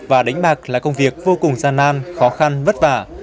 và đánh bạc là công việc vô cùng gian nan khó khăn vất vả